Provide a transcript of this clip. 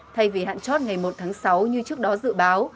thay vì hạn chót ngày một tháng sáu như trước đó dự báo